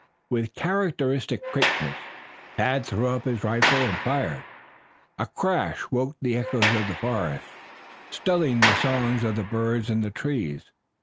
With characteristic quickness, Tad threw up his rifle and fired. A crash woke the echoes of the forest, stilling the songs of the birds in the trees.